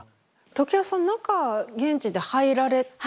常盤さん中現地で入られてますよね。